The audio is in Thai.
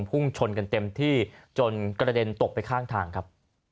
พุ่งชนกันเต็มที่จนกระเด็นตกไปข้างทางครับ